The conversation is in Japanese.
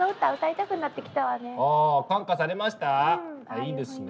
いいですね。